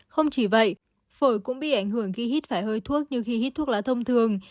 không chỉ vậy phổi cũng bị ảnh hưởng khi hít phải hơi thuốc nhưng khi hít thuốc lá thông thường